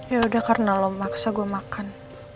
yaudah karena lo maksa gue makan